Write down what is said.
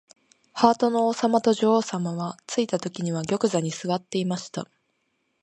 ハートの王さまと女王さまは、ついたときには玉座にすわっていました。